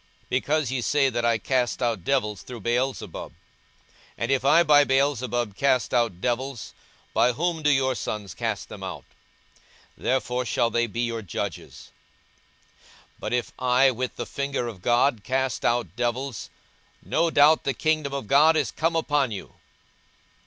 because ye say that I cast out devils through Beelzebub. 42:011:019 And if I by Beelzebub cast out devils, by whom do your sons cast them out? therefore shall they be your judges. 42:011:020 But if I with the finger of God cast out devils, no doubt the kingdom of God is come upon you.